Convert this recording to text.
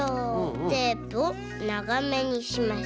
テープをながめにします。